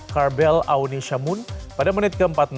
karbel aouni shamun pada menit ke empat puluh enam